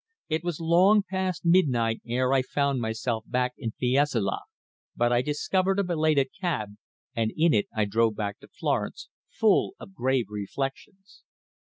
It was long past midnight ere I found myself back in Fiesole, but I discovered a belated cab, and in it I drove back to Florence, full of grave reflections.